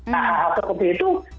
nah seperti itu